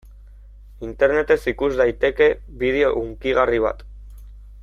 Internetez ikus daiteke bideo hunkigarri bat.